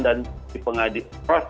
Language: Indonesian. dan di pengadilan